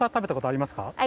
あります！